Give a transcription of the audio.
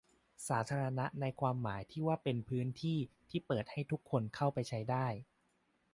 สาธารณะในความหมายที่ว่าเป็นพื้นที่ที่เปิดให้คนทุกคนเข้าไปใช้ได้